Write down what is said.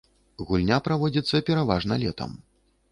Гульня праводзіцца пераважна летам.